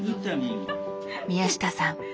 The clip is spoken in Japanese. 宮下さん